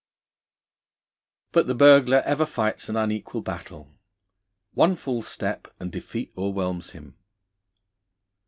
But the burglar ever fights an unequal battle. One false step, and defeat o'erwhelms him.